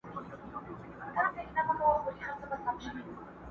آسمانه ما خو داسي نه ویله!!